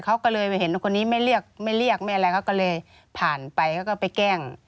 เขาก็เลยเห็นว่าคนนี้ไม่เรียกไม่อะไรก็เลยผ่านไปเขาก็ไปแกล้ง